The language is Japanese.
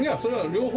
両方。